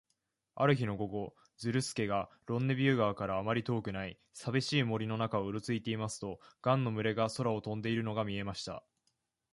ある日の午後、ズルスケがロンネビュー川からあまり遠くない、さびしい森の中をうろついていますと、ガンの群れが空を飛んでいるのが見えました。